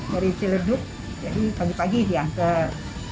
dari ciledug jadi pagi pagi diantar